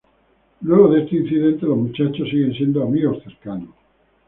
Luego de este incidente, los muchachos siguen siendo amigos cercanos.